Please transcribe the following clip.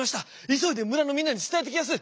急いで村のみんなに伝えてきやす！